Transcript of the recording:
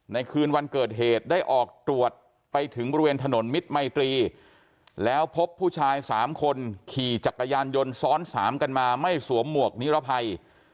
คืนวันเกิดเหตุได้ออกตรวจไปถึงบริเวณถนนมิตรมัยตรีแล้วพบผู้ชาย๓คนขี่จักรยานยนต์ซ้อนสามกันมาไม่สวมหมวกนิรภัย